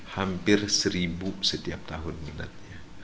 hampir seribu setiap tahun minatnya